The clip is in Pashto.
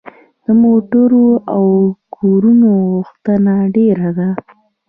د موټرو او کورونو غوښتنه ډیره ده.